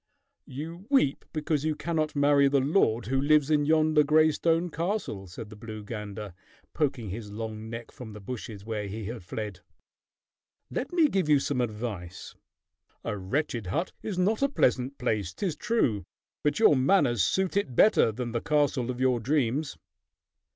"You weep because you cannot marry the lord who lives in yonder gray stone castle," said the blue gander, poking his long neck from the bushes where he had fled. "Let me give you some advice. A wretched hut is not a pleasant place, 'tis true, but your manners suit it better than the castle of your dreams."